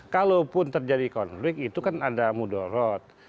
kalaupun terjadi konflik itu kan ada mudorot